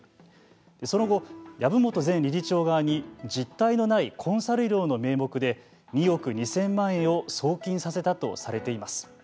その後、籔本前理事長側に実体のないコンサル料の名目で２億２０００万円を送金させたとされています。